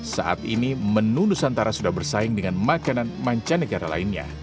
saat ini menu nusantara sudah bersaing dengan makanan mancanegara lainnya